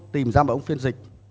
tìm ra một ông phiên dịch